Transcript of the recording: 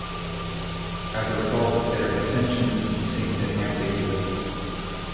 As a result, their intentions seemed ambiguous.